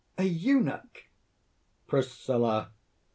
"A eunuch!" PRISCILLA.